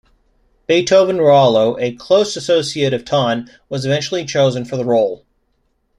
Beethoven Rualo, a close associate of Tan, was eventually chosen for the role.